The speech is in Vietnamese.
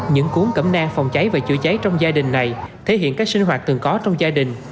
những cuốn cẩm nang phòng cháy và chữa cháy trong gia đình này thể hiện các sinh hoạt từng có trong gia đình